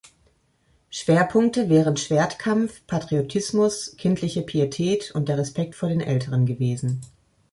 Schwerpunkte wären Schwertkampf, Patriotismus, Kindliche Pietät und der Respekt vor den Älteren gewesen.